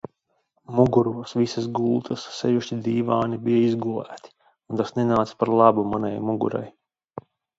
Muguros visas gultas, sevišķi dīvāni, bija izgulēti un tas nenāca par labu manai mugurai.